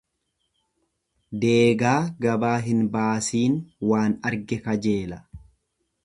Deegaa gabaa hin baasiin waan arge kajeela.